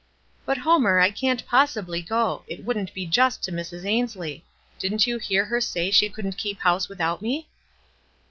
"But, Homer, I can't possibly go ; it wouldn't be just to Mrs. Ainslic. Didn't you hear her say she couldn't keep house without me?"